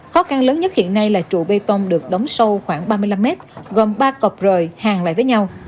khó khăn lớn nhất hiện nay là trụ bê tông được đóng sâu khoảng ba mươi năm mét gồm ba cọc rời hàng lại với nhau